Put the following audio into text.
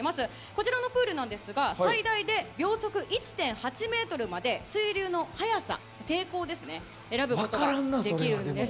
こちらのプールですが最大で秒速１．８メートルまで水流の速さ、抵抗を選ぶことができるんです。